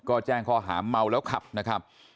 ก็แจ้งข้อหาเมาแล้วขับนะครับ